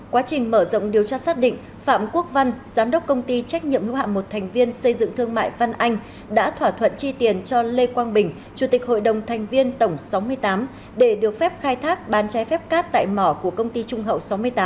quá trình mở rộng điều tra xác định phạm quốc văn giám đốc công ty trách nhiệm hữu hạm một thành viên xây dựng thương mại văn anh đã thỏa thuận chi tiền cho lê quang bình chủ tịch hội đồng thành viên tổng sáu mươi tám để được phép khai thác bàn trái phép cát tại mỏ của công ty trung hậu sáu mươi tám